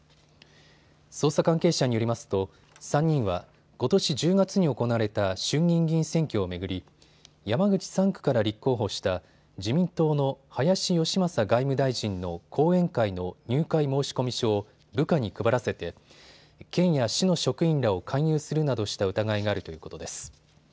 捜査関係者によりますと３人はことし１０月に行われた衆議院議員選挙を巡り、山口３区から立候補した自民党の林芳正外務大臣の後援会の入会申込書を部下に配らせて県や市の職員らを勧誘するなどした疑いがあるということです。